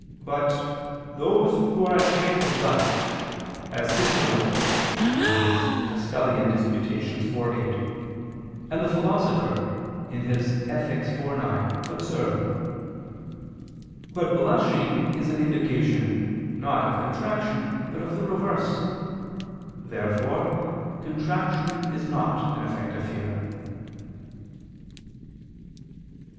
But "those who are ashamed blush," as Cicero (De Quaest. Tusc. iv, 8), and the Philosopher (Ethic. iv, 9) observe. But blushing is an indication, not of contraction, but of the reverse. Therefore contraction is not an effect of fear.